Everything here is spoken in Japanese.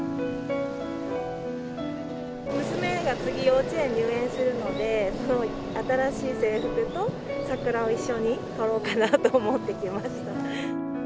娘が次、幼稚園入園するので、新しい制服と桜を一緒に撮ろうかなと思って来ました。